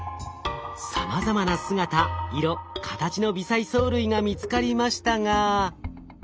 さまざまな姿色形の微細藻類が見つかりましたが。